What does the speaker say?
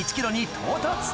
到達